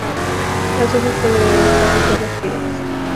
Las hojas están divididas con folíolos brillantes.